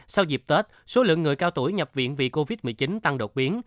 sau dịp tết số lượng người cao tuổi nhập viện vì covid một mươi chín tăng đột biến